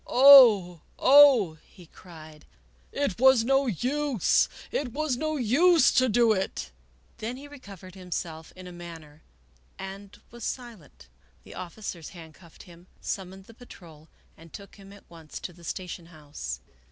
" Oh ! oh !" he cried, " it was no use ! it was no use to do it !" Then he recovered himself in a manner and was silent. The officers handcuffed him, summoned the patrol, and took him at once to the station house.